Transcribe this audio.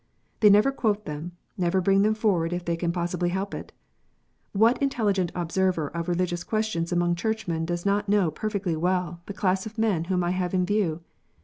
They never quote them, never bring them forward if they can possibly help it. "What intelligent observer of religious questions among Churchmen does not know perfectly well the class of men whom I have in view